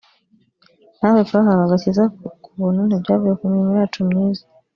natwe twahawe agakiza ku butnu ntibyavuye ku mirimo yacu myiza